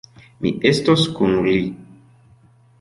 Mi estos kun li.